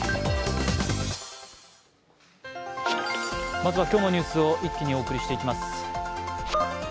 まずは、今日のニュースを一気にお送りしていきます。